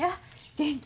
元気？